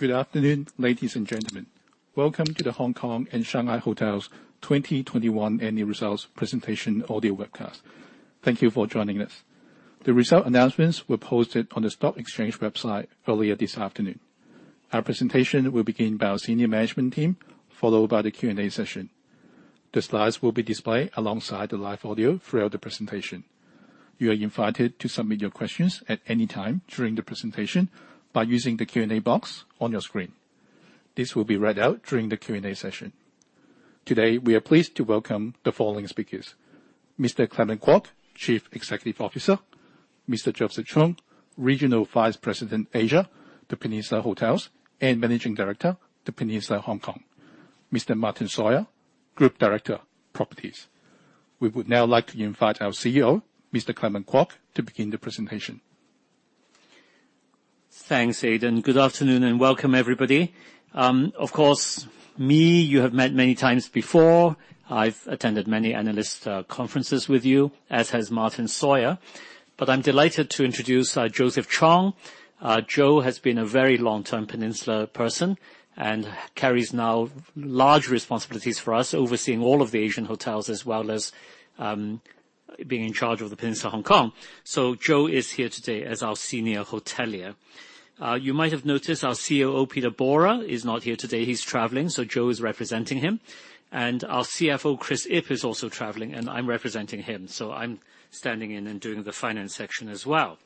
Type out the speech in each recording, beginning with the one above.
Good afternoon, ladies and gentlemen. Welcome to The Hongkong and Shanghai Hotels 2021 Annual Results Presentation Audio Webcast. Thank you for joining us. The result announcements were posted on the stock exchange website earlier this afternoon. Our presentation will begin by our senior management team, followed by the Q&A session. The slides will be displayed alongside the live audio throughout the presentation. You are invited to submit your questions at any time during the presentation by using the Q&A box on your screen. This will be read out during the Q&A session. Today, we are pleased to welcome the following speakers: Mr. Clement Kwok, Chief Executive Officer, Mr. Joseph Chong, Regional Vice President, Asia, The Peninsula Hotels, and Managing Director, The Peninsula Hong Kong, Mr. Martyn Sawyer, Group Director, Properties. We would now like to invite our CEO, Mr. Clement Kwok, to begin the presentation. Thanks, Aiden. Good afternoon, and welcome everybody. Of course, me, you have met many times before. I've attended many analyst conferences with you, as has Martyn Sawyer. I'm delighted to introduce Joseph Chong. Joe has been a very long-term Peninsula person and carries now large responsibilities for us, overseeing all of the Asian hotels as well as being in charge of The Peninsula Hong Kong. Joe is here today as our senior hotelier. You might have noticed our COO, Peter Borer, is not here today. He's traveling, so Joe is representing him. Our CFO, Chris Ip, is also traveling, and I'm representing him, so I'm standing in and doing the finance section as well.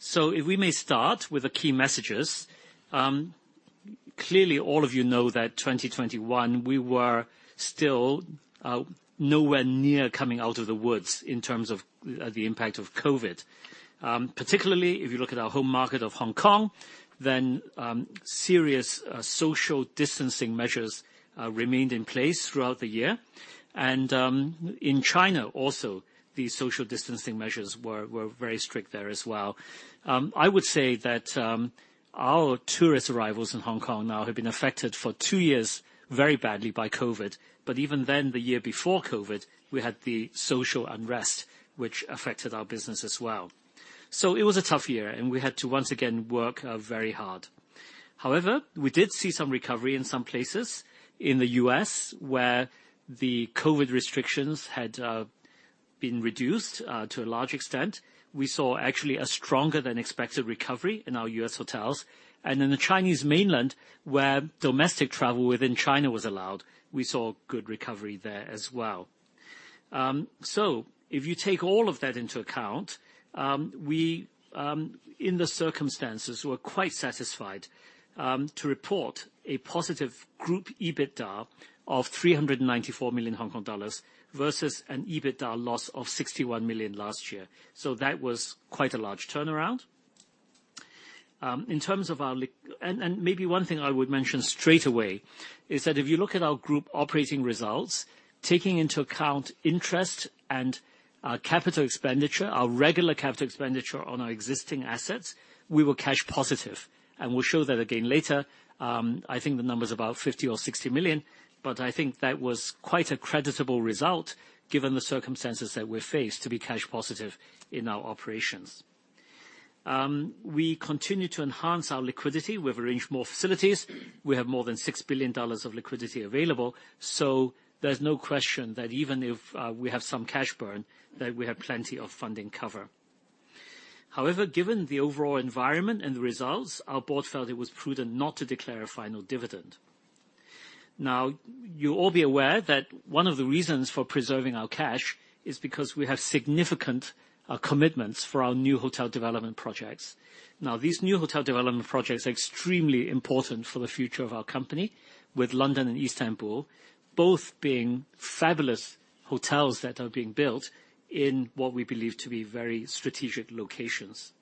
If we may start with the key messages. Clearly all of you know that 2021, we were still nowhere near coming out of the woods in terms of the impact of COVID. Particularly if you look at our home market of Hong Kong, then serious social distancing measures remained in place throughout the year. In China also, the social distancing measures were very strict there as well. I would say that our tourist arrivals in Hong Kong now have been affected for two years very badly by COVID, but even then, the year before COVID, we had the social unrest, which affected our business as well. It was a tough year, and we had to once again work very hard. However, we did see some recovery in some places. In the U.S., where the COVID restrictions had been reduced to a large extent, we saw actually a stronger than expected recovery in our U.S. hotels. In the Chinese mainland, where domestic travel within China was allowed, we saw good recovery there as well. If you take all of that into account, we, in the circumstances, were quite satisfied to report a positive group EBITDA of 394 versus an EBITDA loss of 61 million last year. That was quite a large turnaround. In terms of our and maybe one thing I would mention straightaway is that if you look at our group operating results, taking into account interest and capital expenditure, our regular capital expenditure on our existing assets, we were cash positive. We'll show that again later. I think the number's about 50 or 60 million, but I think that was quite a creditable result given the circumstances that we face to be cash positive in our operations. We continue to enhance our liquidity. We've arranged more facilities. We have more than 6 billion dollars of liquidity available, so there's no question that even if we have some cash burn, that we have plenty of funding cover. However, given the overall environment and the results, our board felt it was prudent not to declare a final dividend. Now, you'll all be aware that one of the reasons for preserving our cash is because we have significant commitments for our new hotel development projects. Now, these new hotel development projects are extremely important for the future of our company with London and Istanbul, both being fabulous hotels that are being built in what we believe to be very strategic locations.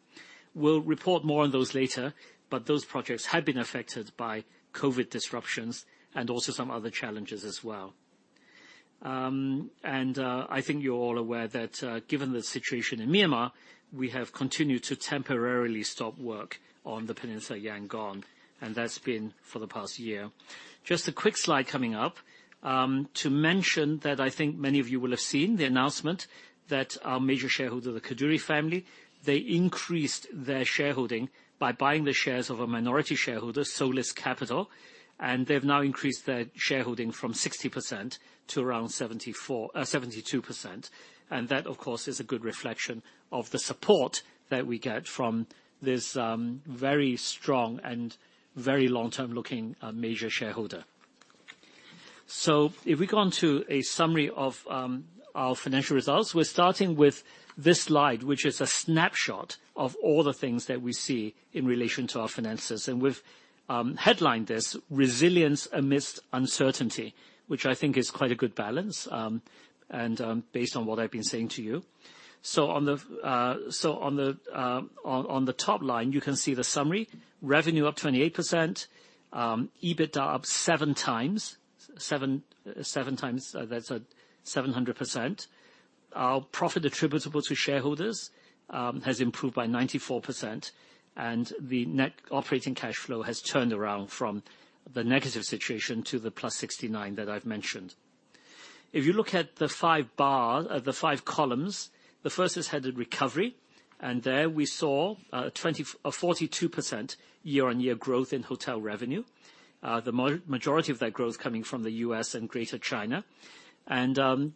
We'll report more on those later, but those projects have been affected by COVID disruptions and also some other challenges as well. I think you're all aware that, given the situation in Myanmar, we have continued to temporarily stop work on The Peninsula Yangon, and that's been for the past year. Just a quick slide coming up, to mention that I think many of you will have seen the announcement that our major shareholder, the Kadoorie family, they increased their shareholding by buying the shares of a minority shareholder, Solis Capital, and they've now increased their shareholding from 60% to around, 72%. That, of course, is a good reflection of the support that we get from this very strong and very long-term looking major shareholder. If we go on to a summary of our financial results, we're starting with this slide, which is a snapshot of all the things that we see in relation to our finances. We've headlined this Resilience Amidst Uncertainty, which I think is quite a good balance and based on what I've been saying to you. On the top line, you can see the summary. Revenue up 28%. EBITDA up 7x, that's 700%. Our profit attributable to shareholders has improved by 94%, and the net operating cash flow has turned around from the negative situation to the 69 that I've mentioned. If you look at the five columns, the first is headed Recovery. There we saw a 42% year-on-year growth in hotel revenue. The majority of that growth coming from the U.S. and Greater China.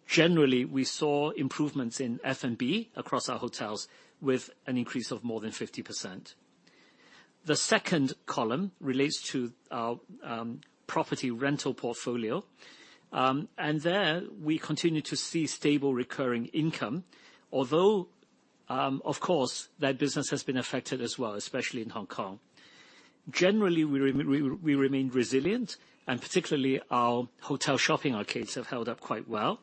Generally, we saw improvements in F&B across our hotels with an increase of more than 50%. The second column relates to our property rental portfolio. There we continue to see stable recurring income, although, of course, that business has been affected as well, especially in Hong Kong. Generally, we remain resilient, and particularly our hotel shopping arcades have held up quite well.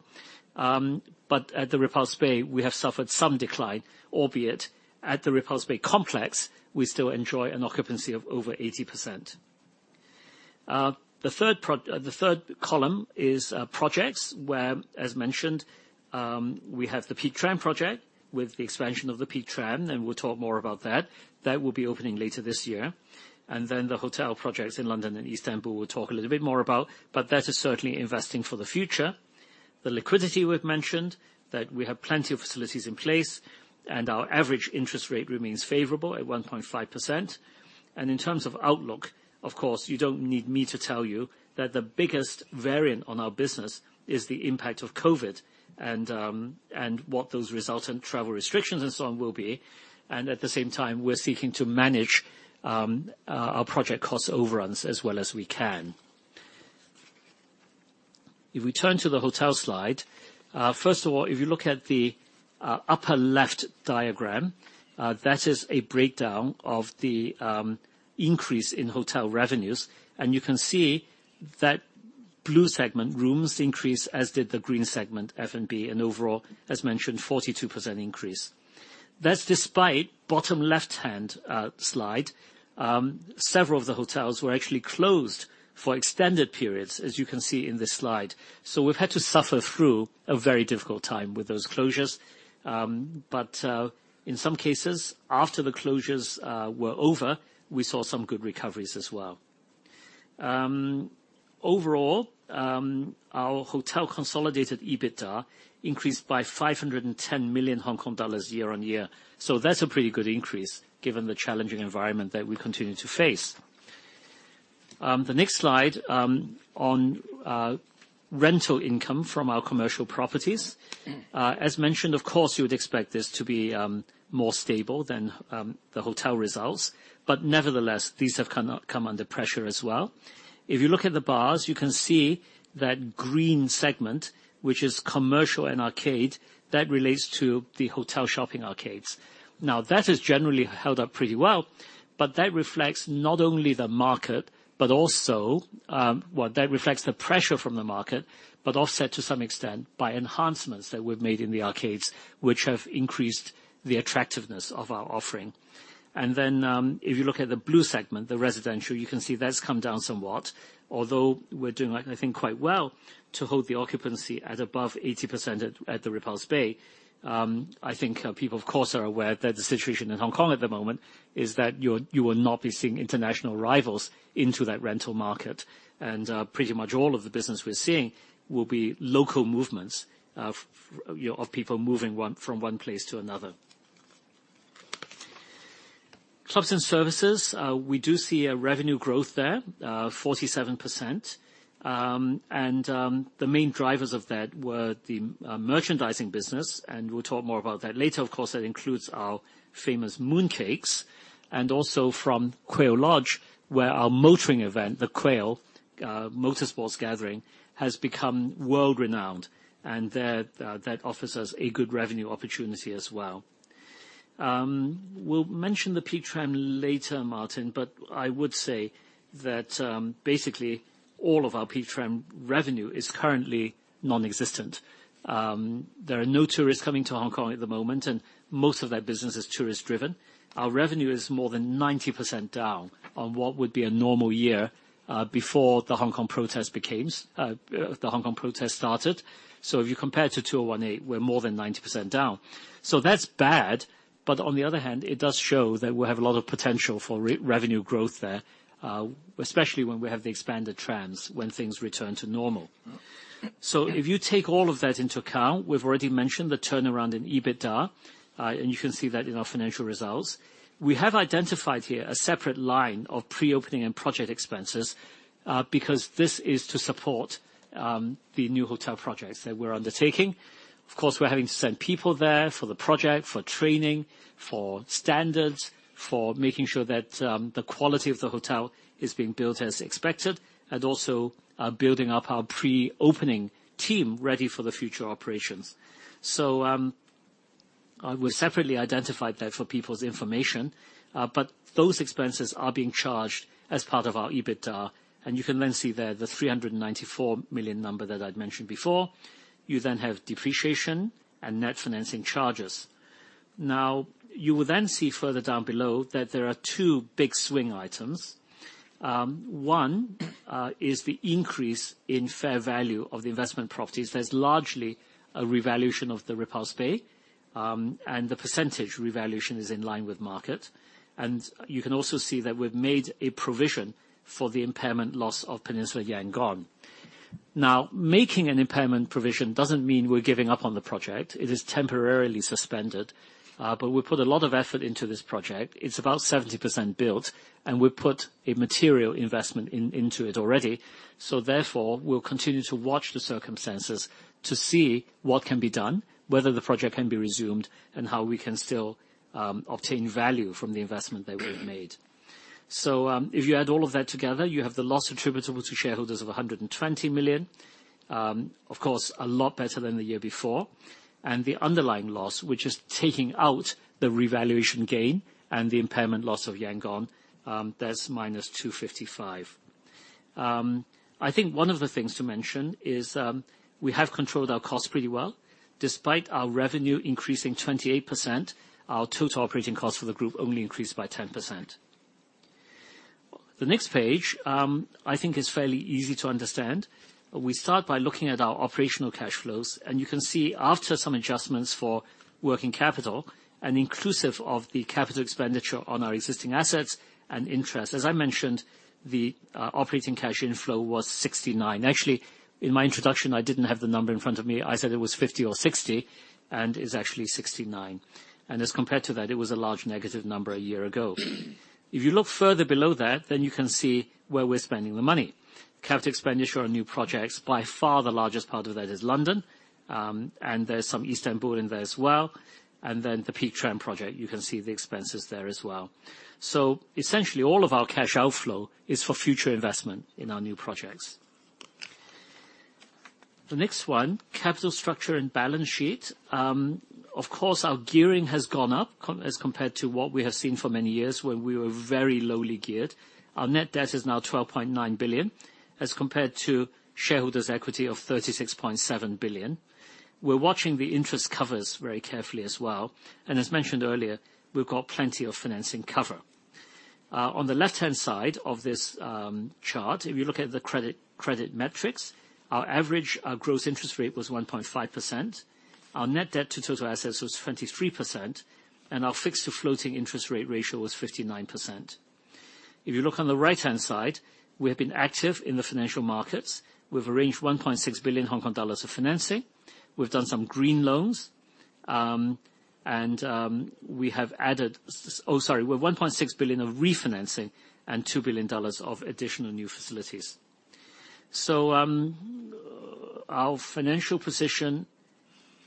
At the Repulse Bay, we have suffered some decline, albeit at the Repulse Bay complex, we still enjoy an occupancy of over 80%. The third column is projects, where, as mentioned, we have the Peak Tram project, with the expansion of the Peak Tram, and we'll talk more about that. That will be opening later this year. The hotel projects in London and Istanbul, we'll talk a little bit more about, but that is certainly investing for the future. The liquidity we've mentioned, that we have plenty of facilities in place, and our average interest rate remains favorable at 1.5%. In terms of outlook, of course, you don't need me to tell you that the biggest variant on our business is the impact of COVID and what those resultant travel restrictions and so on will be. At the same time, we're seeking to manage our project cost overruns as well as we can. If we turn to the hotel slide, first of all, if you look at the upper-left diagram, that is a breakdown of the increase in hotel revenues. You can see that blue segment, rooms, increased, as did the green segment, F&B, and overall, as mentioned, 42% increase. That's despite bottom left-hand slide, several of the hotels were actually closed for extended periods, as you can see in this slide. We've had to suffer through a very difficult time with those closures. In some cases, after the closures were over, we saw some good recoveries as well. Overall, our hotel consolidated EBITDA increased by 510 million Hong Kong dollars year-on-year. That's a pretty good increase given the challenging environment that we continue to face. The next slide, on rental income from our commercial properties. As mentioned, of course, you would expect this to be more stable than the hotel results, but nevertheless, these have come under pressure as well. If you look at the bars, you can see that green segment, which is commercial and arcade, that relates to the hotel shopping arcades. Now, that has generally held up pretty well, but that reflects not only the market, but also. Well, that reflects the pressure from the market, but offset to some extent by enhancements that we've made in the arcades, which have increased the attractiveness of our offering. If you look at the blue segment, the residential, you can see that's come down somewhat. Although we're doing I think quite well to hold the occupancy at above 80% at the Repulse Bay, people of course are aware that the situation in Hong Kong at the moment is that you will not be seeing international arrivals into that rental market. Pretty much all of the business we're seeing will be local movements of you know people moving from one place to another. Clubs and services, we do see a revenue growth there, 47%. The main drivers of that were the merchandising business, and we'll talk more about that later. Of course, that includes our famous mooncakes. Also from Quail Lodge, where our motoring event, The Quail, A Motorsports Gathering, has become world-renowned, and that offers us a good revenue opportunity as well. We'll mention the Peak Tram later, Martyn, but I would say that basically all of our Peak Tram revenue is currently nonexistent. There are no tourists coming to Hong Kong at the moment, and most of that business is tourist-driven. Our revenue is more than 90% down on what would be a normal year before the Hong Kong protests started. If you compare it to 2018, we're more than 90% down. That's bad, but on the other hand, it does show that we have a lot of potential for revenue growth there, especially when we have the expanded trams, when things return to normal. If you take all of that into account, we've already mentioned the turnaround in EBITDA, and you can see that in our financial results. We have identified here a separate line of pre-opening and project expenses, because this is to support the new hotel projects that we're undertaking. Of course, we're having to send people there for the project, for training, for standards, for making sure that the quality of the hotel is being built as expected, and also building up our pre-opening team ready for the future operations. We've separately identified that for people's information, but those expenses are being charged as part of our EBITDA, and you can then see there the 394 million number that I'd mentioned before. You then have depreciation and net financing charges. You will then see further down below that there are two big swing items. One is the increase in fair value of the Investment Properties. That's largely a revaluation of the Repulse Bay, and the percentage revaluation is in line with market. You can also see that we've made a provision for the impairment loss of The Peninsula Yangon. Making an impairment provision doesn't mean we're giving up on the project. It is temporarily suspended, but we put a lot of effort into this project. It's about 70% built, and we've put a material investment in, into it already. Therefore, we'll continue to watch the circumstances to see what can be done, whether the project can be resumed, and how we can still obtain value from the investment that we have made. If you add all of that together, you have the loss attributable to shareholders of 120 million. Of course, a lot better than the year before. The underlying loss, which is taking out the revaluation gain and the impairment loss of Yangon, that's -255 million. I think one of the things to mention is, we have controlled our costs pretty well. Despite our revenue increasing 28%, our total operating cost for the group only increased by 10%. The next page, I think is fairly easy to understand. We start by looking at our operational cash flows. You can see after some adjustments for working capital and inclusive of the capital expenditure on our existing assets and interest. As I mentioned, the operating cash inflow was 69. Actually, in my introduction, I didn't have the number in front of me. I said it was 50 or 60, and it's actually 69. As compared to that, it was a large negative number a year ago. If you look further below that, you can see where we're spending the money. Capital expenditure on new projects, by far the largest part of that is London. And there's some Istanbul in there as well, and then the Peak Tram project. You can see the expenses there as well. Essentially, all of our cash outflow is for future investment in our new projects. The next one, capital structure and balance sheet. Of course, our gearing has gone up as compared to what we have seen for many years where we were very lowly geared. Our net debt is now 12.9, as compared to shareholders' equity of 36.7 billion. We're watching the interest covers very carefully as well, and as mentioned earlier, we've got plenty of financing cover. On the left-hand side of this chart, if you look at the credit metrics, our average gross interest rate was 1.5%. Our net debt to total assets was 23%, and our fixed to floating interest rate ratio was 59%. If you look on the right-hand side, we have been active in the financial markets. We've arranged 1.6 billion Hong Kong dollars of financing. We've done some green loans. We have added 1.6 billion of refinancing and 2 billion of additional new facilities. Our financial position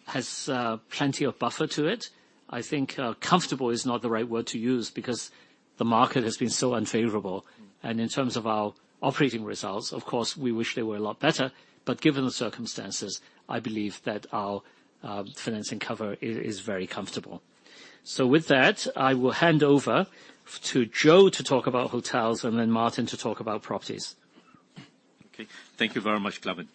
has plenty of buffer to it. I think comfortable is not the right word to use because the market has been so unfavorable. In terms of our operating results, of course, we wish they were a lot better, but given the circumstances, I believe that our financing cover is very comfortable. With that, I will hand over to Joe to talk about hotels and then Martyn to talk about properties. Okay. Thank you very much, Clement.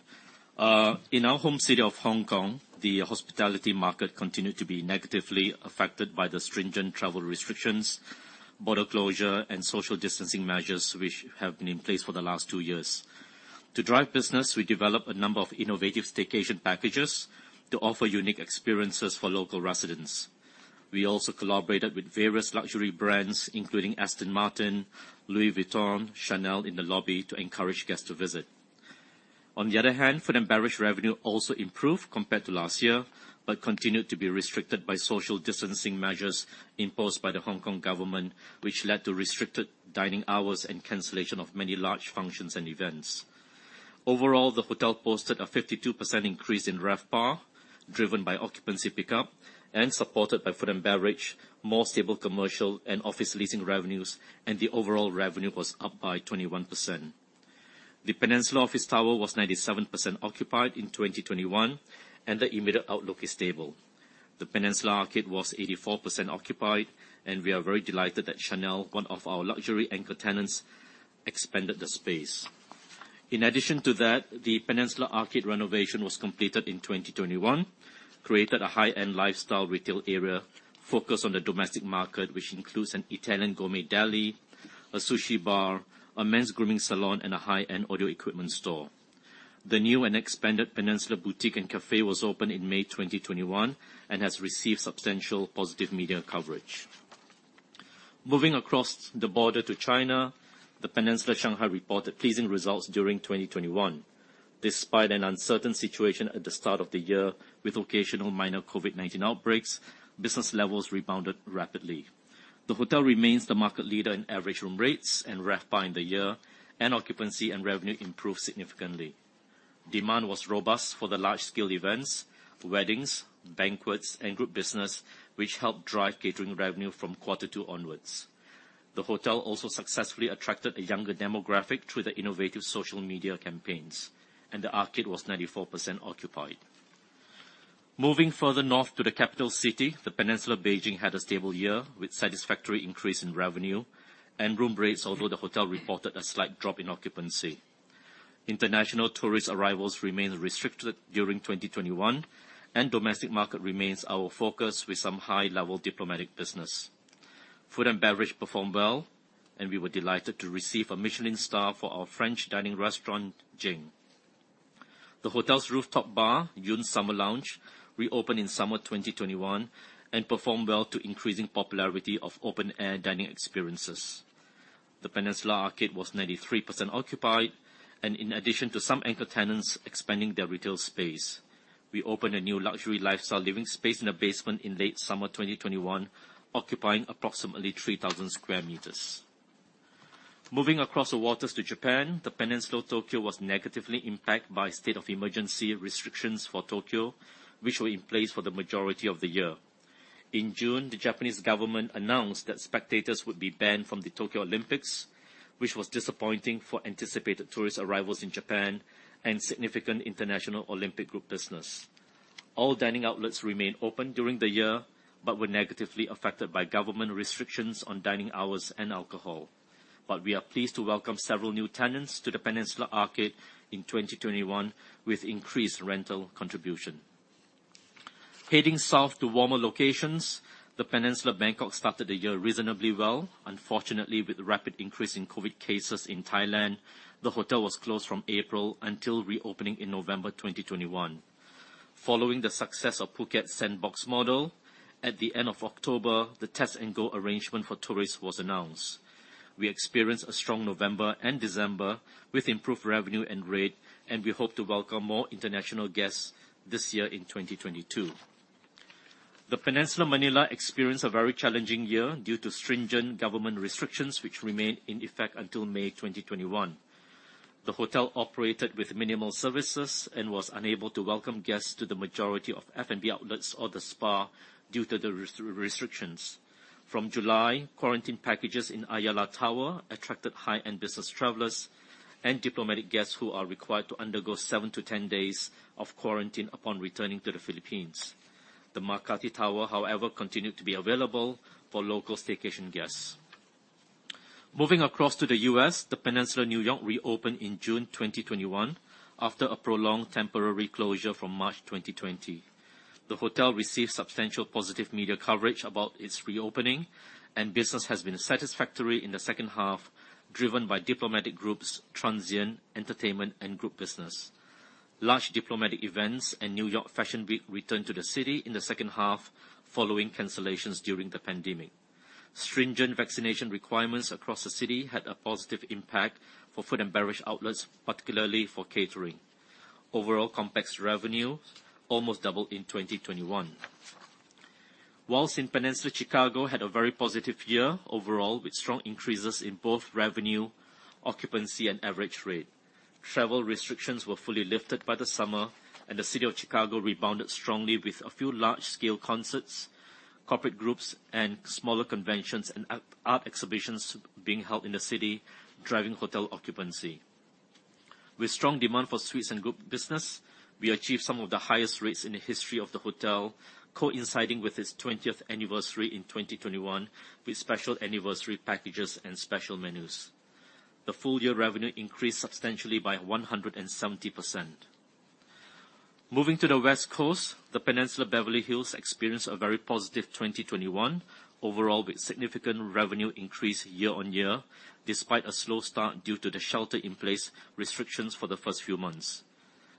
In our home city of Hong Kong, the hospitality market continued to be negatively affected by the stringent travel restrictions, border closure, and social distancing measures which have been in place for the last two years. To drive business, we developed a number of innovative staycation packages to offer unique experiences for local residents. We also collaborated with various luxury brands, including Aston Martin, Louis Vuitton, Chanel, in the lobby to encourage guests to visit. On the other hand, food and beverage revenue also improved compared to last year, but continued to be restricted by social distancing measures imposed by the Hong Kong government, which led to restricted dining hours and cancellation of many large functions and events. Overall, the hotel posted a 52% increase in RevPAR, driven by occupancy pickup and supported by food and beverage, more stable commercial and office leasing revenues, and the overall revenue was up by 21%. The Peninsula office tower was 97% occupied in 2021, and the immediate outlook is stable. The Peninsula Arcade was 84% occupied, and we are very delighted that Chanel, one of our luxury anchor tenants, expanded the space. In addition to that, the Peninsula Arcade renovation was completed in 2021, created a high-end lifestyle retail area focused on the domestic market, which includes an Italian gourmet deli, a sushi bar, a men's grooming salon, and a high-end audio equipment store. The new and expanded Peninsula Boutique and Café was opened in May 2021 and has received substantial positive media coverage. Moving across the border to China, The Peninsula Shanghai reported pleasing results during 2021. Despite an uncertain situation at the start of the year with occasional minor COVID-19 outbreaks, business levels rebounded rapidly. The hotel remains the market leader in average room rates and RevPAR in the year, and occupancy and revenue improved significantly. Demand was robust for the large-scale events, weddings, banquets, and group business, which helped drive catering revenue from Q2 onwards. The hotel also successfully attracted a younger demographic through the innovative social media campaigns, and the Arcade was 94% occupied. Moving further north to the capital city, The Peninsula Beijing had a stable year with satisfactory increase in revenue and room rates, although the hotel reported a slight drop in occupancy. International tourist arrivals remained restricted during 2021, and domestic market remains our focus with some high-level diplomatic business. Food and beverage performed well, and we were delighted to receive a Michelin star for our French dining restaurant, Jing. The hotel's rooftop bar, Yun Summer Lounge, reopened in summer 2021, and performed well due to increasing popularity of open air dining experiences. The Peninsula Arcade was 93% occupied, and, in addition to some anchor tenants expanding their retail space, we opened a new luxury lifestyle living space in the basement in late summer 2021, occupying approximately 3,000 sq m. Moving across the waters to Japan, The Peninsula Tokyo was negatively impacted by state of emergency restrictions for Tokyo, which were in place for the majority of the year. In June, the Japanese government announced that spectators would be banned from the Tokyo Olympics, which was disappointing for anticipated tourist arrivals in Japan and significant international Olympic group business. All dining outlets remained open during the year, but were negatively affected by government restrictions on dining hours and alcohol. We are pleased to welcome several new tenants to The Peninsula Arcade in 2021 with increased rental contribution. Heading south to warmer locations, The Peninsula Bangkok started the year reasonably well. Unfortunately, with the rapid increase in COVID cases in Thailand, the hotel was closed from April until reopening in November 2021. Following the success of Phuket Sandbox model, at the end of October, the test and go arrangement for tourists was announced. We experienced a strong November and December with improved revenue and rate, and we hope to welcome more international guests this year in 2022. The Peninsula Manila experienced a very challenging year due to stringent government restrictions, which remained in effect until May 2021. The hotel operated with minimal services and was unable to welcome guests to the majority of F&B outlets or the spa due to the restrictions. From July, quarantine packages in Ayala Tower attracted high-end business travelers and diplomatic guests who are required to undergo seven to 10 days of quarantine upon returning to the Philippines. The Makati Tower, however, continued to be available for local staycation guests. Moving across to the U.S., The Peninsula New York reopened in June 2021 after a prolonged temporary closure from March 2020. The hotel received substantial positive media coverage about its reopening, and business has been satisfactory in the second half, driven by diplomatic groups, transient, entertainment, and group business. Large diplomatic events and New York Fashion Week returned to the city in the second half following cancellations during the pandemic. Stringent vaccination requirements across the city had a positive impact for food and beverage outlets, particularly for catering. Overall, complex revenue almost doubled in 2021. While the Peninsula Chicago had a very positive year overall, with strong increases in both revenue, occupancy, and average rate. Travel restrictions were fully lifted by the summer, and the city of Chicago rebounded strongly with a few large-scale concerts, corporate groups, and smaller conventions and art exhibitions being held in the city, driving hotel occupancy. With strong demand for suites and group business, we achieved some of the highest rates in the history of the hotel, coinciding with its 20th anniversary in 2021, with special anniversary packages and special menus. Full-year revenue increased substantially by 170%. Moving to the West Coast, The Peninsula Beverly Hills experienced a very positive 2021 overall, with significant revenue increase year on year, despite a slow start due to the shelter in place restrictions for the first few months.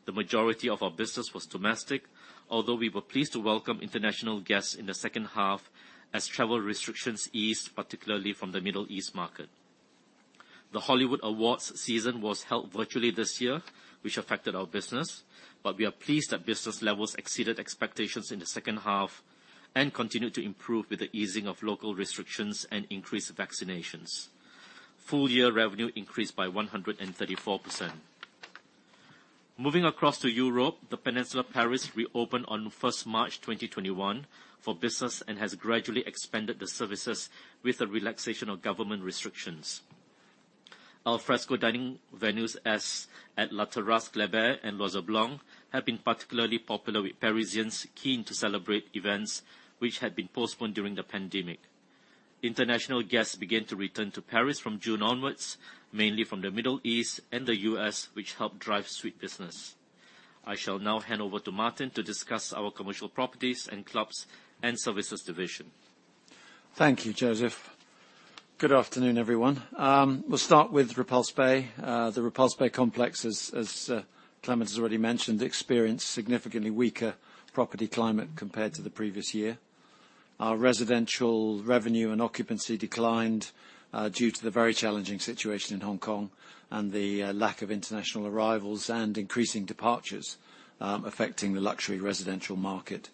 The majority of our business was domestic, although we were pleased to welcome international guests in the second half as travel restrictions eased, particularly from the Middle East market. The Hollywood awards season was held virtually this year, which affected our business, but we are pleased that business levels exceeded expectations in the second half and continued to improve with the easing of local restrictions and increased vaccinations. Full year revenue increased by 134%. Moving across to Europe, The Peninsula Paris reopened on March 1, 2021 for business and has gradually expanded the services with the relaxation of government restrictions. Al fresco dining venues, as at La Terrasse Kléber and L'Oiseau Blanc, have been particularly popular with Parisians keen to celebrate events which had been postponed during the pandemic. International guests began to return to Paris from June onwards, mainly from the Middle East and the U.S., which helped drive suite business. I shall now hand over to Martyn to discuss our commercial properties and clubs and services division. Thank you, Joseph. Good afternoon, everyone. We'll start with Repulse Bay. The Repulse Bay complex, as Clement has already mentioned, experienced significantly weaker property climate compared to the previous year. Our residential revenue and occupancy declined due to the very challenging situation in Hong Kong and the lack of international arrivals and increasing departures affecting the luxury residential market.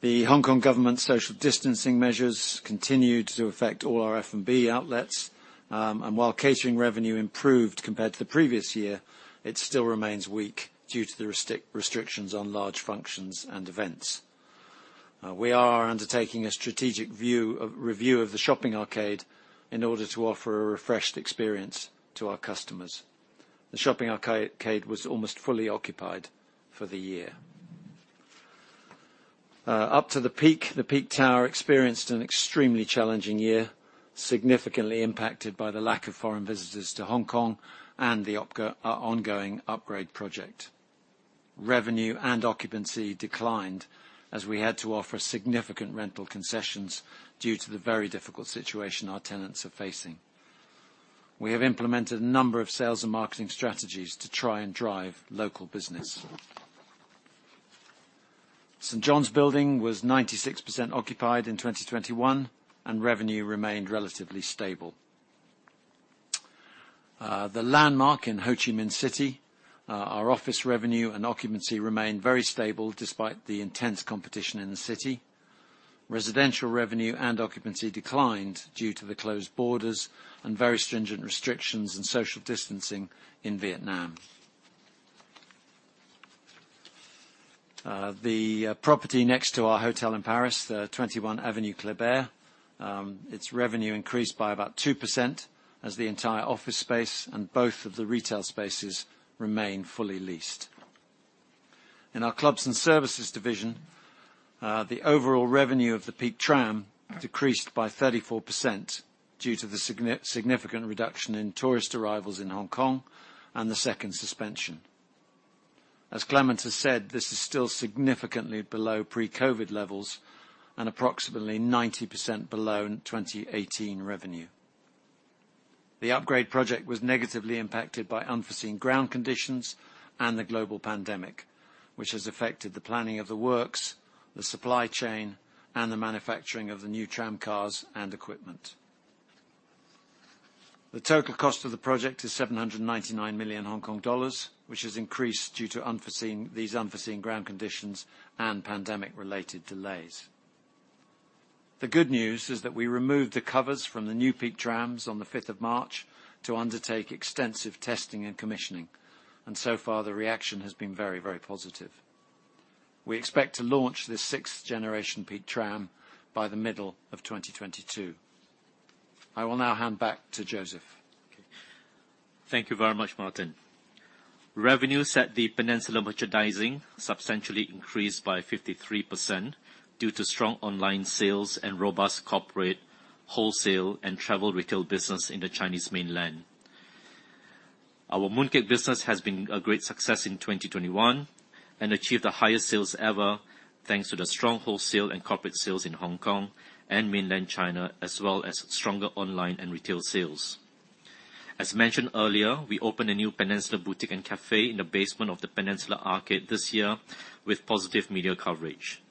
The Hong Kong government social distancing measures continued to affect all our F&B outlets. While catering revenue improved compared to the previous year, it still remains weak due to the restrictions on large functions and events. We are undertaking a strategic review of the shopping arcade in order to offer a refreshed experience to our customers. The shopping arcade was almost fully occupied for the year. Up to The Peak. The Peak Tower experienced an extremely challenging year, significantly impacted by the lack of foreign visitors to Hong Kong and the ongoing upgrade project. Revenue and occupancy declined as we had to offer significant rental concessions due to the very difficult situation our tenants are facing. We have implemented a number of sales and marketing strategies to try and drive local business. St. John's Building was 96% occupied in 2021, and revenue remained relatively stable. The Landmark in Ho Chi Minh City, our office revenue and occupancy remained very stable despite the intense competition in the city. Residential revenue and occupancy declined due to the closed borders and very stringent restrictions and social distancing in Vietnam. The property next to our hotel in Paris, 21 Avenue Kléber, its revenue increased by about 2% as the entire office space and both of the retail spaces remain fully leased. In our clubs and services division, the overall revenue of the Peak Tram decreased by 34% due to the significant reduction in tourist arrivals in Hong Kong and the second suspension. As Clement has said, this is still significantly below pre-COVID levels and approximately 90% below 2018 revenue. The upgrade project was negatively impacted by unforeseen ground conditions and the global pandemic, which has affected the planning of the works, the supply chain, and the manufacturing of the new tramcars and equipment. The total cost of the project is 799 million Hong Kong dollars, which has increased due to these unforeseen ground conditions and pandemic-related delays. The good news is that we removed the covers from the new Peak Trams on March 5, to undertake extensive testing and commissioning, and so far, the reaction has been very, very positive. We expect to launch the sixth generation Peak Tram by the middle of 2022. I will now hand back to Joseph. Okay. Thank you very much, Martyn. Revenues from the Peninsula merchandising substantially increased by 53% due to strong online sales and robust corporate wholesale and travel retail business in the Chinese mainland. Our mooncake business has been a great success in 2021 and achieved the highest sales ever thanks to the strong wholesale and corporate sales in Hong Kong and mainland China, as well as stronger online and retail sales. As mentioned earlier, we opened a new Peninsula Boutique & Café in the basement of the Peninsula Arcade this year with positive media coverage.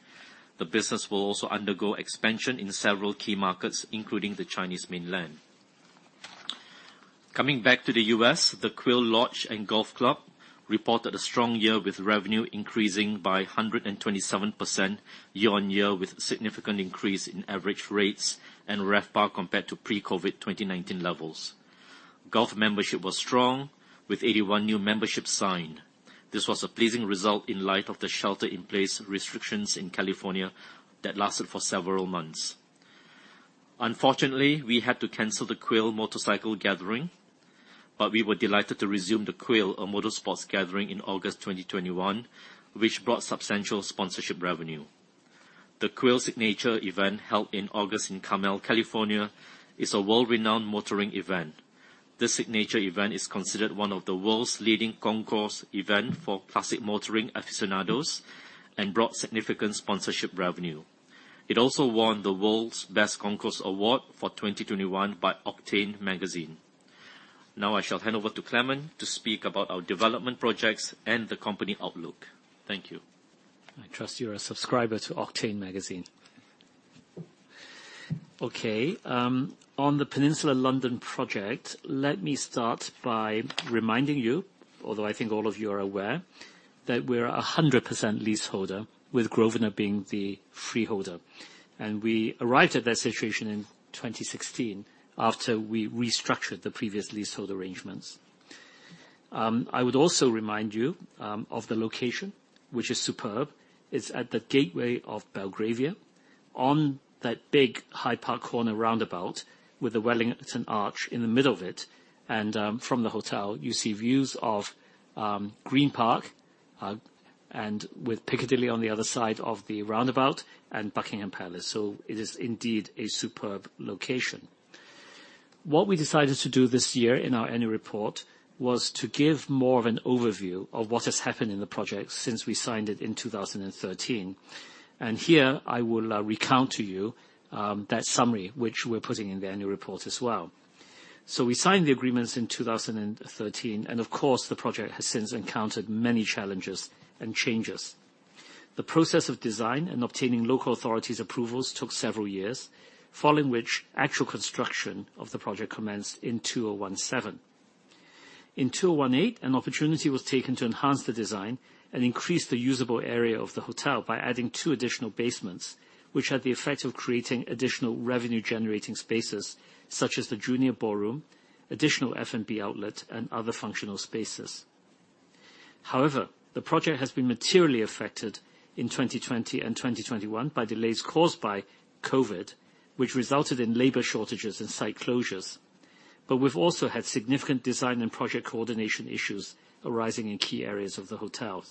The business will also undergo expansion in several key markets, including the Chinese mainland. Coming back to the U.S., the Quail Lodge & Golf Club reported a strong year, with revenue increasing by 127% year-on-year with significant increase in average rates and RevPAR compared to pre-COVID 2019 levels. Golf membership was strong, with 81 new memberships signed. This was a pleasing result in light of the shelter-in-place restrictions in California that lasted for several months. Unfortunately, we had to cancel The Quail Motorcycle Gathering, but we were delighted to resume The Quail, A Motorsports Gathering in August 2021, which brought substantial sponsorship revenue. The Quail Signature Event, held in August in Carmel, California, is a world-renowned motoring event. This Signature Event is considered one of the world's leading concours event for classic motoring aficionados and brought significant sponsorship revenue. It also won the World's Best Concours award for 2021 by Octane magazine. Now I shall hand over to Clement to speak about our development projects and the company outlook. Thank you. I trust you're a subscriber to Octane magazine. Okay. On the Peninsula London project, let me start by reminding you, although I think all of you are aware, that we're 100% leaseholder, with Grosvenor being the freeholder, and we arrived at that situation in 2016 after we restructured the previous leasehold arrangements. I would also remind you of the location, which is superb. It's at the gateway of Belgravia on that big Hyde Park Corner roundabout with a Wellington Arch in the middle of it and, from the hotel, you see views of Green Park, and with Piccadilly on the other side of the roundabout and Buckingham Palace. It is indeed a superb location. What we decided to do this year in our annual report was to give more of an overview of what has happened in the project since we signed it in 2013. Here, I will recount to you that summary, which we're putting in the annual report as well. We signed the agreements in 2013, and of course, the project has since encountered many challenges and changes. The process of design and obtaining local authorities' approvals took several years, following which actual construction of the project commenced in 2017. In 2018, an opportunity was taken to enhance the design and increase the usable area of the hotel by adding two additional basements, which had the effect of creating additional revenue-generating spaces, such as the junior ballroom, additional F&B outlet, and other functional spaces. However, the project has been materially affected in 2020 and 2021 by delays caused by COVID, which resulted in labor shortages and site closures. We've also had significant design and project coordination issues arising in key areas of the hotel.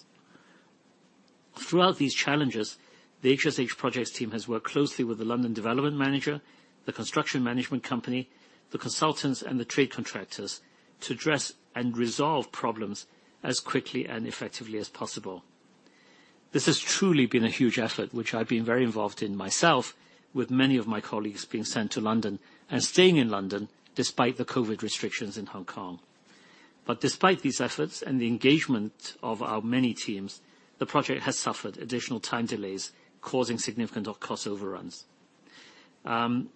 Throughout these challenges, the HSH projects team has worked closely with the London development manager, the construction management company, the consultants and the trade contractors to address and resolve problems as quickly and effectively as possible. This has truly been a huge effort, which I've been very involved in myself with many of my colleagues being sent to London and staying in London despite the COVID restrictions in Hong Kong. Despite these efforts and the engagement of our many teams, the project has suffered additional time delays, causing significant cost overruns. The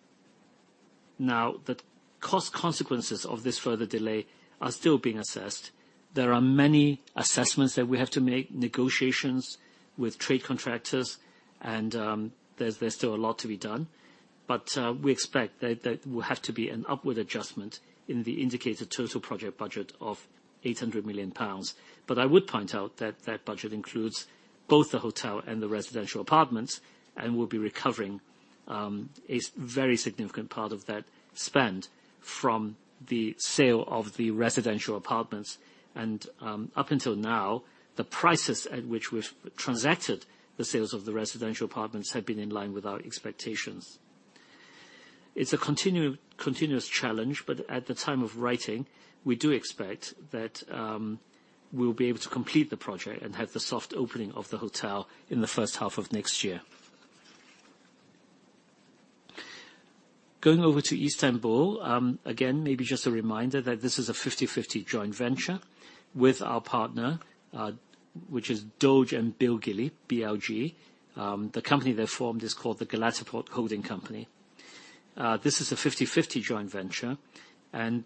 cost consequences of this further delay are still being assessed. There are many assessments that we have to make, negotiations with trade contractors and, there's still a lot to be done. We expect that will have to be an upward adjustment in the indicated total project budget of 800 million pounds. I would point out that budget includes both the hotel and the residential apartments and will be recovering, a very significant part of that spend from the sale of the residential apartments. Up until now, the prices at which we've transacted the sales of the residential apartments have been in line with our expectations. It's a continuous challenge, but at the time of writing, we do expect that, we'll be able to complete the project and have the soft opening of the hotel in the first half of next year. Going over to Istanbul, again, maybe just a reminder that this is a 50/50 joint venture with our partner, which is Doğuş and Bilgili, BLG. The company they formed is called the Galataport Holding company. This is a 50/50 joint venture, and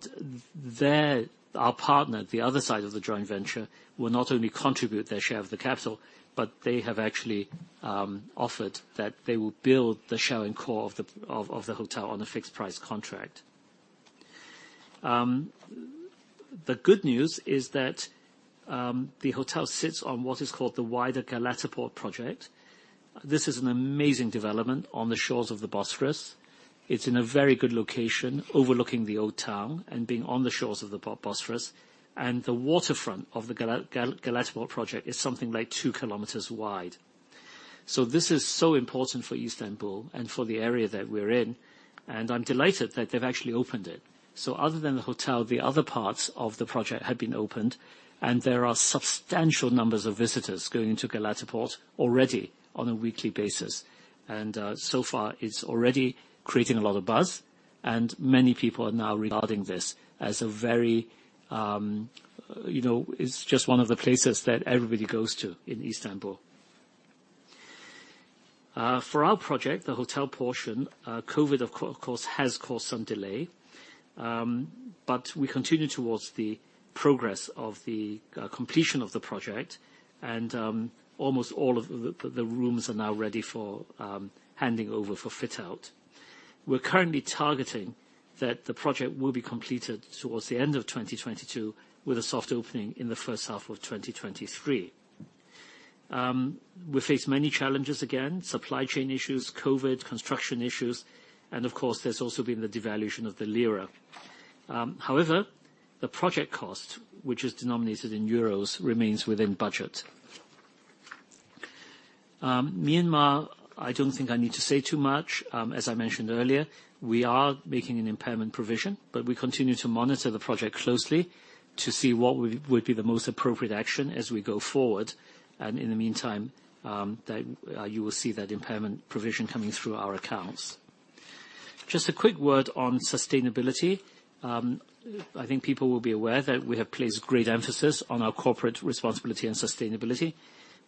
there, our partner, the other side of the joint venture, will not only contribute their share of the capital, but they have actually offered that they will build the shell and core of the hotel on a fixed price contract. The good news is that the hotel sits on what is called the wider Galataport project. This is an amazing development on the shores of the Bosphorus. It's in a very good location, overlooking the old town and being on the shores of the Bosphorus. The waterfront of the Galataport project is something like 2km wide. This is so important for Istanbul and for the area that we're in, and I'm delighted that they've actually opened it. Other than the hotel, the other parts of the project have been opened, and there are substantial numbers of visitors going into Galataport already on a weekly basis. So far, it's already creating a lot of buzz, and many people are now regarding this as a very, you know, it's just one of the places that everybody goes to in Istanbul. For our project, the hotel portion, COVID, of course, has caused some delay. But we continue towards the progress of the completion of the project and, almost all of the rooms are now ready for handing over for fit-out. We're currently targeting that the project will be completed towards the end of 2022, with a soft opening in the first half of 2023. We face many challenges again, supply chain issues, COVID, construction issues, and of course, there's also been the devaluation of the lira. However, the project cost, which is denominated in euros, remains within budget. Myanmar, I don't think I need to say too much. As I mentioned earlier, we are making an impairment provision, but we continue to monitor the project closely to see what would be the most appropriate action as we go forward. In the meantime, you will see that impairment provision coming through our accounts. Just a quick word on sustainability. I think people will be aware that we have placed great emphasis on our corporate responsibility and sustainability.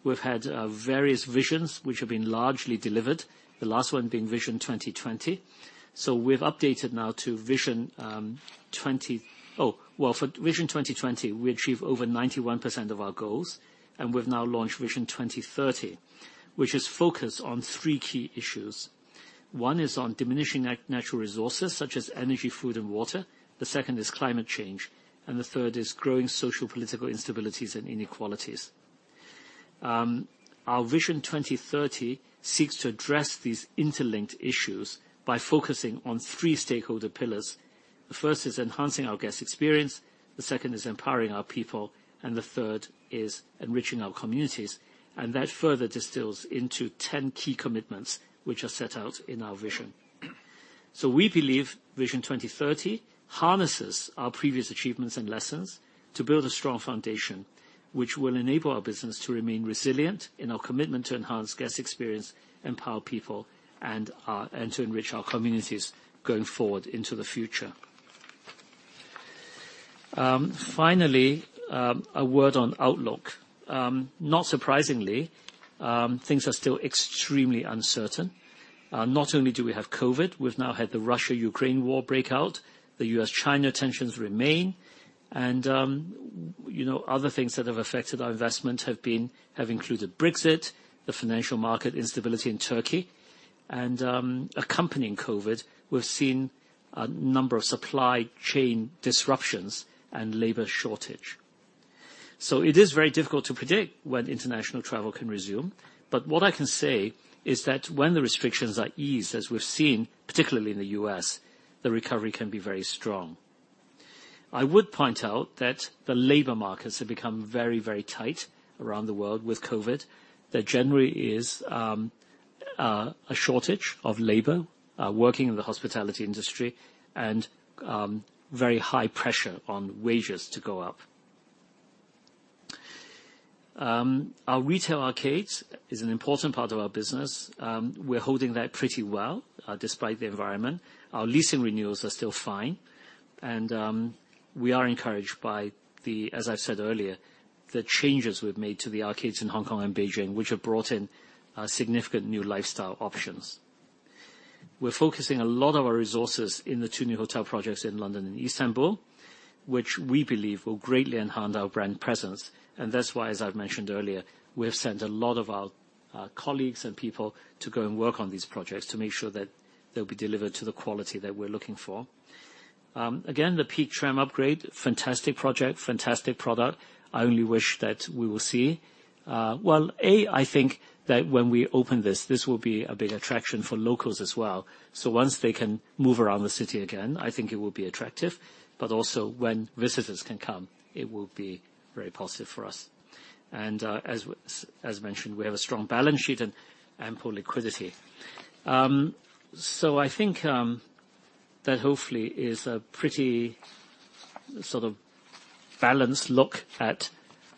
We've had various visions which have been largely delivered, the last one being Vision 2020. We've updated now to Vision 2030. For Vision 2020, we achieved over 91% of our goals, and we've now launched Vision 2030, which is focused on three key issues. One is on diminishing natural resources such as energy, food, and water. The second is climate change, and the third is growing social political instabilities and inequalities. Our Vision 2030 seeks to address these interlinked issues by focusing on three stakeholder pillars. The first is enhancing our guest experience, the second is empowering our people, and the third is enriching our communities. That further distills into 10 key commitments, which are set out in our vision. We believe Vision 2030 harnesses our previous achievements and lessons to build a strong foundation which will enable our business to remain resilient in our commitment to enhance guest experience, empower people, and to enrich our communities going forward into the future. Finally, a word on outlook. Not surprisingly, things are still extremely uncertain. Not only do we have COVID, we've now had the Russia-Ukraine war break out. The U.S.-China tensions remain. You know, other things that have affected our investment have included Brexit, the financial market instability in Turkey, and accompanying COVID, we've seen a number of supply chain disruptions and labor shortage. It is very difficult to predict when international travel can resume. What I can say is that when the restrictions are eased, as we've seen, particularly in the U.S., the recovery can be very strong. I would point out that the labor markets have become very, very tight around the world with COVID. There generally is a shortage of labor working in the hospitality industry and very high pressure on wages to go up. Our retail arcades is an important part of our business. We're holding that pretty well despite the environment. Our leasing renewals are still fine, and we are encouraged by the changes we've made to the arcades in Hong Kong and Beijing, as I've said earlier, which have brought in significant new lifestyle options. We're focusing a lot of our resources in the two new hotel projects in London and Istanbul, which we believe will greatly enhance our brand presence, and that's why, as I've mentioned earlier, we have sent a lot of our colleagues and people to go and work on these projects to make sure that they'll be delivered to the quality that we're looking for. Again, the Peak Tram upgrade, fantastic project, fantastic product. I only wish that we will see. Well, I think that when we open this will be a big attraction for locals as well. So once they can move around the city again, I think it will be attractive, but also when visitors can come, it will be very positive for us. As mentioned, we have a strong balance sheet and ample liquidity. I think that hopefully is a pretty sort of balanced look at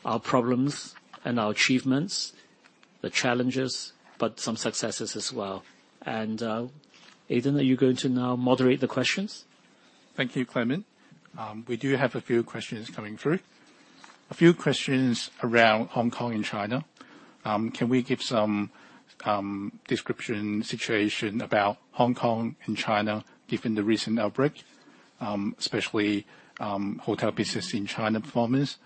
our problems and our achievements, the challenges, but some successes as well. Aiden, are you going to now moderate the questions? Thank you, Clement. We do have a few questions coming through. A few questions around Hong Kong and China. Can we give some description, situation about Hong Kong and China given the recent outbreak, especially hotel business in China performance,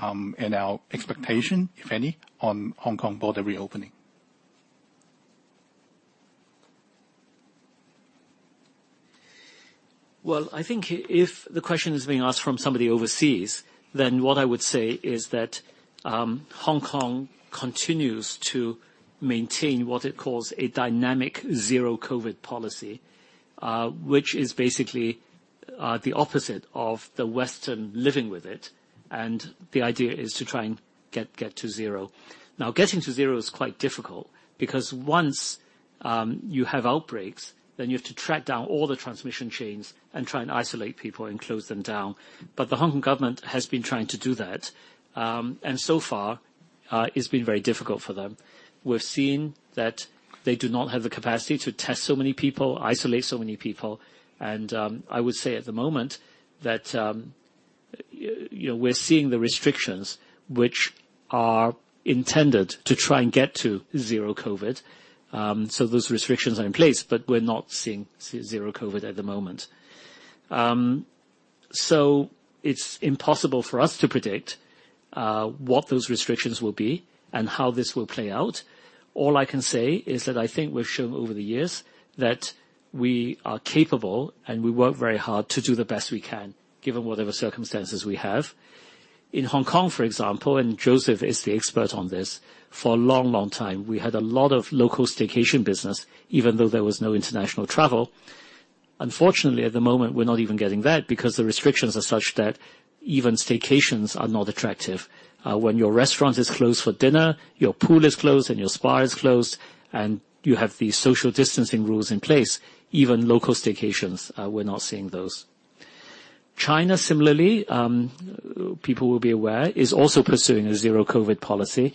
and our expectation, if any, on Hong Kong border reopening? Well, I think if the question is being asked from somebody overseas, then what I would say is that Hong Kong continues to maintain what it calls a dynamic zero-COVID policy, which is basically the opposite of the Western living with it. The idea is to try and get to zero. Now, getting to zero is quite difficult because once you have outbreaks, then you have to track down all the transmission chains and try and isolate people and close them down. The Hong Kong government has been trying to do that. So far, it's been very difficult for them. We've seen that they do not have the capacity to test so many people, isolate so many people. I would say at the moment that you know, we're seeing the restrictions which are intended to try and get to zero COVID. So those restrictions are in place, but we're not seeing zero COVID at the moment. So it's impossible for us to predict what those restrictions will be and how this will play out. All I can say is that I think we've shown over the years that we are capable, and we work very hard to do the best we can, given whatever circumstances we have. In Hong Kong, for example, and Joseph is the expert on this, for a long, long time, we had a lot of local staycation business, even though there was no international travel. Unfortunately, at the moment, we're not even getting that because the restrictions are such that even staycations are not attractive. When your restaurant is closed for dinner, your pool is closed, and your spa is closed, and you have these social distancing rules in place, even local staycations, we're not seeing those. China similarly, people will be aware, is also pursuing a zero COVID policy,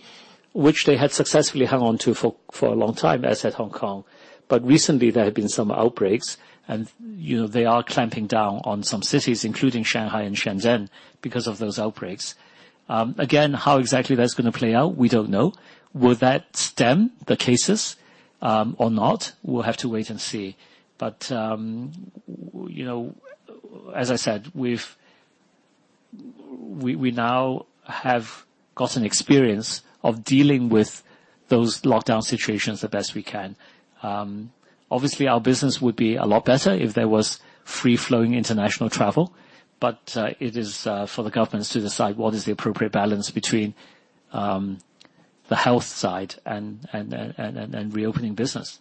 which they had successfully hung on to for a long time, as had Hong Kong. Recently there have been some outbreaks and, you know, they are clamping down on some cities, including Shanghai and Shenzhen, because of those outbreaks. Again, how exactly that's gonna play out, we don't know. Will that stem the cases, or not? We'll have to wait and see. You know, as I said, we now have gotten experience of dealing with those lockdown situations the best we can. Obviously, our business would be a lot better if there was free-flowing international travel, but it is for the governments to decide what is the appropriate balance between the health side and reopening business.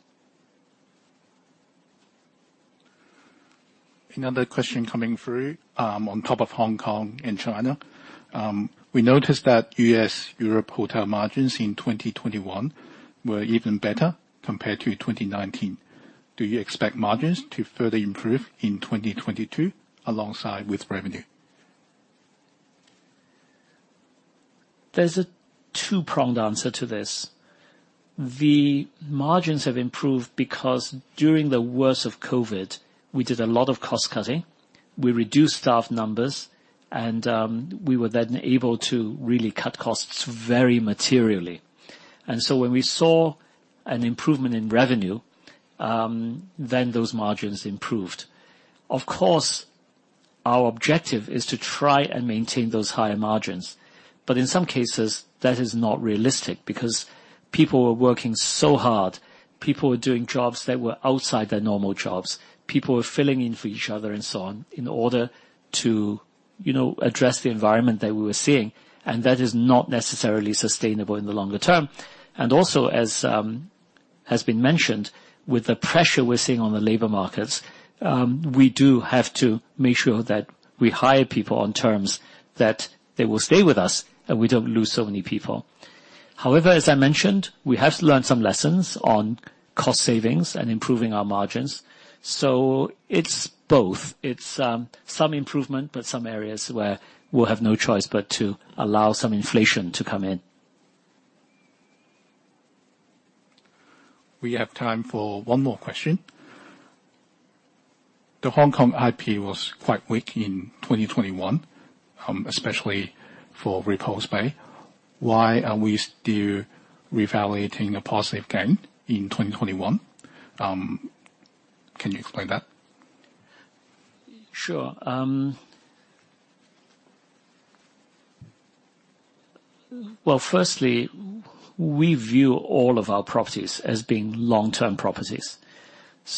Another question coming through, on top of Hong Kong and China. We noticed that U.S., Europe hotel margins in 2021 were even better compared to 2019. Do you expect margins to further improve in 2022 alongside with revenue? There's a two-pronged answer to this. The margins have improved because during the worst of COVID, we did a lot of cost-cutting. We reduced staff numbers, and, we were then able to really cut costs very materially. When we saw an improvement in revenue, then those margins improved. Of course, our objective is to try and maintain those higher margins. In some cases, that is not realistic because people were working so hard, doing jobs that were outside their normal jobs, filling in for each other and so on, in order to address the environment that we were seeing, and that is not necessarily sustainable in the longer term. As has been mentioned, with the pressure we're seeing on the labor markets, we do have to make sure that we hire people on terms that they will stay with us, and we don't lose so many people. However, as I mentioned, we have to learn some lessons on cost savings and improving our margins. It's both. It's some improvement, but some areas where we'll have no choice but to allow some inflation to come in. We have time for one more question. The Hong Kong IP was quite weak in 2021, especially for Repulse Bay. Why are we still revaluing the positive gain in 2021? Can you explain that? Sure. Well, firstly, we view all of our properties as being long-term properties.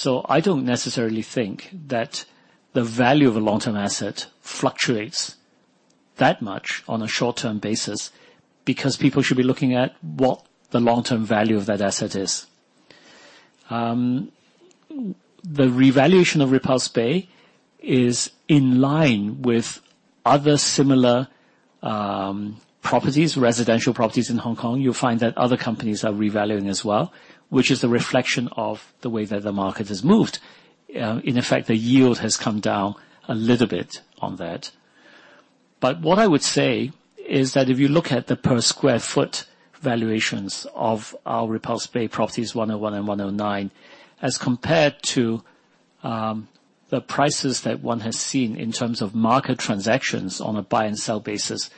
I don't necessarily think that the value of a long-term asset fluctuates that much on a short-term basis, because people should be looking at what the long-term value of that asset is. The revaluation of Repulse Bay is in line with other similar properties, residential properties in Hong Kong. You'll find that other companies are revaluing as well, which is a reflection of the way that the market has moved. In effect, the yield has come down a little bit on that. What I would say is that if you look at the per square foot valuations of our 101 and 109 Repulse Bay Road, as compared to the prices that one has seen in terms of market transactions on a buy and sell basis,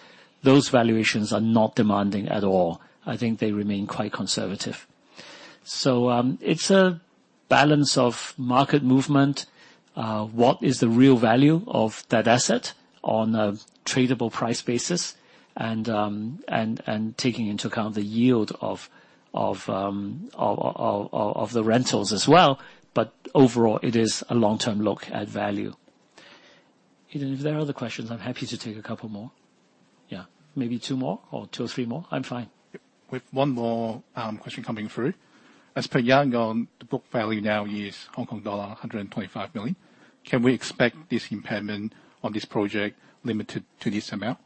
those valuations are not demanding at all. I think they remain quite conservative. It's a balance of market movement, what is the real value of that asset on a tradable price basis and taking into account the yield of the rentals as well, but overall, it is a long-term look at value. If there are other questions, I'm happy to take a couple more. Yeah. Maybe two more or three more. I'm fine. We've one more question coming through. As per Yangon, the book value now is Hong Kong dollar 125 million. Can we expect this impairment on this project limited to this amount?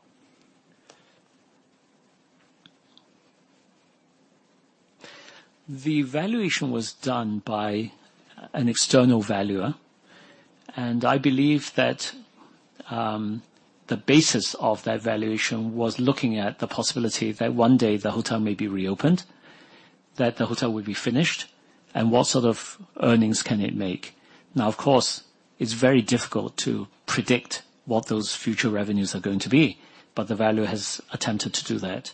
The valuation was done by an external valuer, and I believe that the basis of that valuation was looking at the possibility that one day the hotel may be reopened, that the hotel will be finished, and what sort of earnings can it make. Now, of course, it's very difficult to predict what those future revenues are going to be, but the valuer has attempted to do that.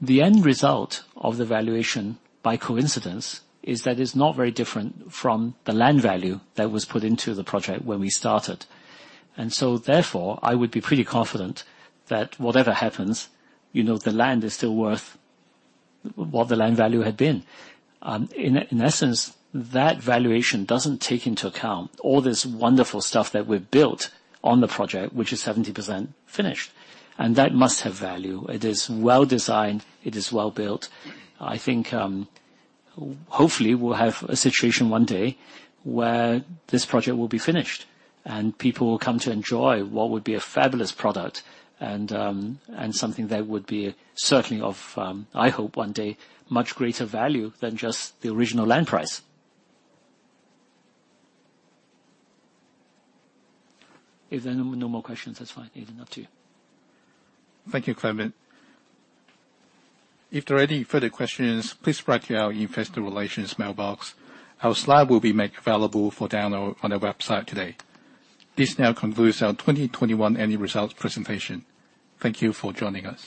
The end result of the valuation, by coincidence, is that it's not very different from the land value that was put into the project when we started. Therefore, I would be pretty confident that whatever happens, you know, the land is still worth what the land value had been. In essence, that valuation doesn't take into account all this wonderful stuff that we've built on the project, which is 70% finished. That must have value. It is well-designed. It is well-built. I think, hopefully we'll have a situation one day where this project will be finished, and people will come to enjoy what would be a fabulous product and something that would be certainly of, I hope one day, much greater value than just the original land price. If there are no more questions, that's fine. Aiden, up to you. Thank you, Clement. If there are any further questions, please write to our investor relations mailbox. Our slide will be made available for download on our website today. This now concludes our 2021 Annual Results Presentation. Thank you for joining us.